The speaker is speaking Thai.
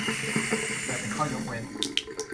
เปิดเป็นข้อยกเว้น